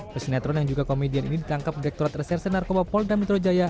penyedotron yang juga komedian ini ditangkap oleh direkturat reserse narkoba paul damitrojaya